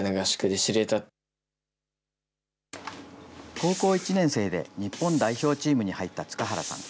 高校１年生で日本代表チームに入った塚原さん。